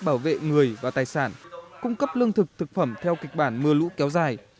bảo vệ người và tài sản cung cấp lương thực thực phẩm theo kịch bản mưa lũ kéo dài